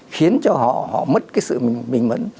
khiến cho họ mất cái sự bình mẫn